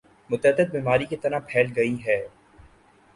متعدی بیماری کی طرح پھیل گئی ہے